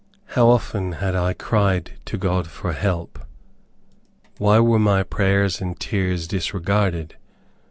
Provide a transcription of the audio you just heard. How often had I cried to God for help! Why were my prayers and tears disregarded?